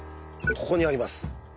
ここにあります。